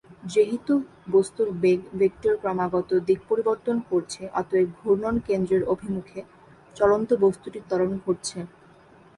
যেহেতু বস্তুর বেগ ভেক্টর ক্রমাগত দিক পরিবর্তন করছে, অতএব ঘূর্ণন কেন্দ্রের অভিমুখে চলন্ত বস্তুটির ত্বরণ ঘটছে।